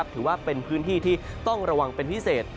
ถือว่าเป็นพื้นที่ที่ต้องระวังเป็นพิเศษ